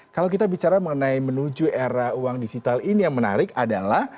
kalau kita bicara mengenai menuju era uang digital ini yang menarik adalah